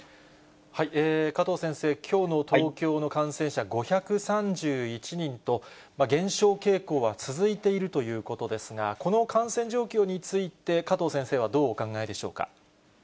加藤先生、きょうの東京の感染者５３１人と、減少傾向は続いているということですが、この感染状況について、加藤先生はどうお考えでしょうか。